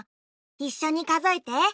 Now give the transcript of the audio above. いっしょにかぞえて。